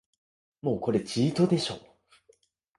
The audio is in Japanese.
もうこれチートでしょ